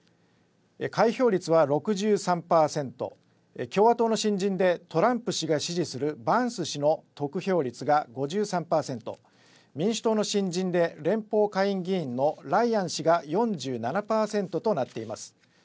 開票率は６３％、共和党の新人でトランプ氏が支持するバンス氏の得票率が５３％、民主党の新人で連邦下院議員のライアン氏が４７％となっています。